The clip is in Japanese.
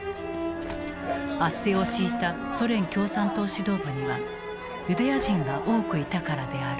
圧政を敷いたソ連共産党指導部にはユダヤ人が多くいたからである。